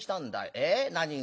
ええ何が？